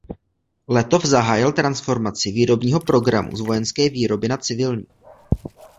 Letov zahájil transformaci výrobního programu z vojenské výroby na civilní.